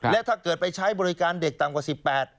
และถ้าเกิดไปใช้บริการเด็กต่ำกว่า๑๘